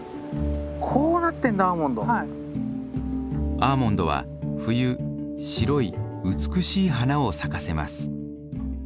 アーモンドは冬白い美しい花を咲かせます。